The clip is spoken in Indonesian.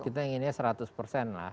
kita inginnya seratus persen lah